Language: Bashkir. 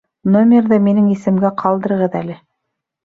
Номерҙы минең исемгә ҡалдырығыҙ әле.